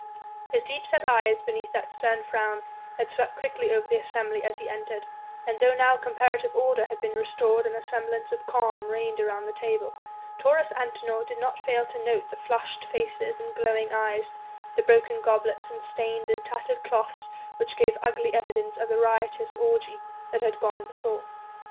His deep set eyes beneath that stern frown had swept quickly over the assembly as he entered, and though now comparative order had been restored and a semblance of calm reigned around the table, Taurus Antinor did not fail to note the flushed faces and glowing eyes, the broken goblets, and stained and tattered cloths which gave ugly evidence of the riotous orgy that had gone before.